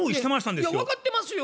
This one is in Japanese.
いや分かってますよ。